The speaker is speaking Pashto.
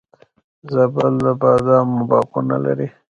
زابل د بادامو باغونه لري